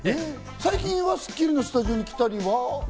最近は『スッキリ』のスタジオに来たりは？